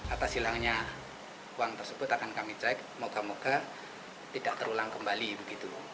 atas hilangnya uang tersebut akan kami cek moga moga tidak terulang kembali begitu